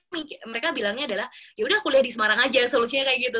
mereka bilangnya adalah yaudah kuliah di semarang aja solusinya kayak gitu